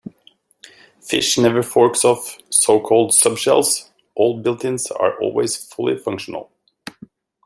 Fish never forks off so-called subshells; all builtins are always fully functional.